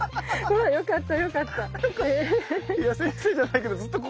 あよかった。